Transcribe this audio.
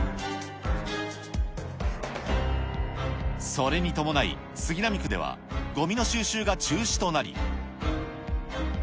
それに伴い、杉並区ではごみの収集が中止となり。